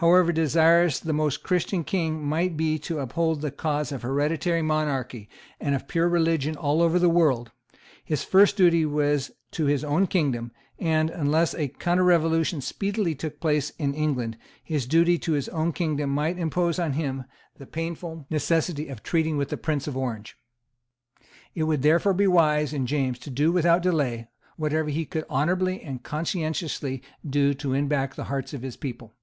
However desirous the Most Christian King might be to uphold the cause of hereditary monarchy and of pure religion all over the world, his first duty was to his own kingdom; and, unless a counterrevolution speedily took place in England, his duty to his own kingdom might impose on him the painful necessity of treating with the Prince of Orange. It would therefore be wise in James to do without delay whatever he could honourably and conscientiously do to win back the hearts of his people.